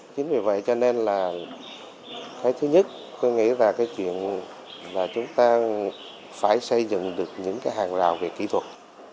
chính vì vậy cho nên là thứ nhất tôi nghĩ là cái chuyện là chúng ta phải xây dựng được những hàng rào về kỹ thuật